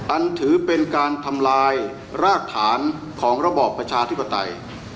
อันถือเป็นการทำลายรากฐานของระบอบประชาธิปไตย